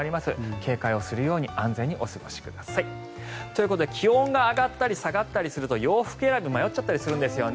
警戒をするように安全にお過ごしください。ということで気温が上がったり下がったりすると洋服選び迷ったりしちゃうんですよね。